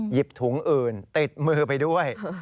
หยิบถุงอื่นติดมือไปด้วย